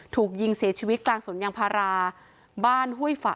ถูกยิงเสียชีวิตกลางสุนยางพารา